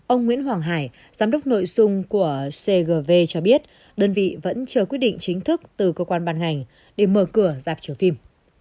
ông nguyễn hoàng hải giám đốc nội dung của cgv cho biết đơn vị vẫn chờ quyết định chính thức từ cơ quan bàn ngành để mở cửa dạp chiếu phim